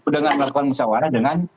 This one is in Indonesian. dengan melakukan musyawarah dengan